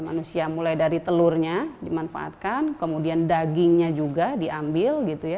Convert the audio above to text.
manusia mulai dari telurnya dimanfaatkan kemudian dagingnya juga diambil